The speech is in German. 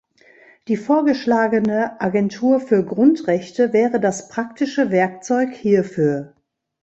Die vorgeschlagene Agentur für Grundrechte wäre das praktische Werkzeug hierfür.